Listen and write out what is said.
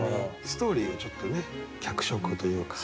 ストーリーをちょっとね脚色というか。